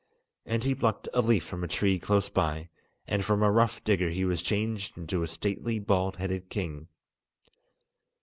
And he plucked a leaf from a tree close by, and from a rough digger he was changed into a stately bald headed king.